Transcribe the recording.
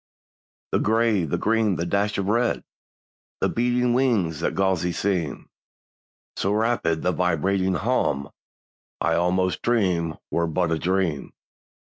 The gray, the green, the dash of red, The beating wings that gauzy seem— So rapid the vibrating hum— I almost dream were but a dream.